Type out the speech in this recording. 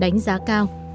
đánh giá cao